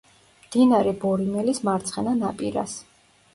მდინარე ბორიმელის მარცხენა ნაპირას.